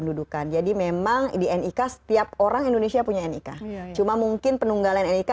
dudukan jadi memang di nik setiap orang indonesia punya nik cuma mungkin penunggalan nik